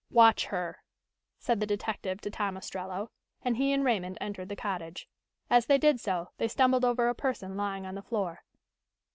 "Watch her," said the detective to Tom Ostrello, and he and Raymond entered the cottage. As they did so, they stumbled over a person lying on the floor.